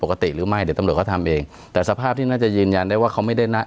หรือไม่เดี๋ยวตำรวจเขาทำเองแต่สภาพที่น่าจะยืนยันได้ว่าเขาไม่ได้นะ